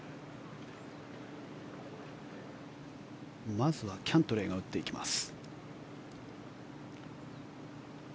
まずはキャントレーが打っていきます。